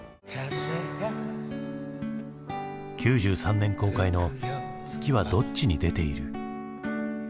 ９３年公開の「月はどっちに出ている」。